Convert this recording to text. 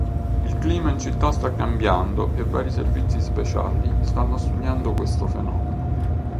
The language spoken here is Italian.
Il clima in città sta cambiando e vari servizi speciali stanno studiando questo fenomeno.